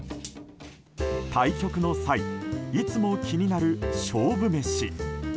対局の際いつも気になる勝負メシ。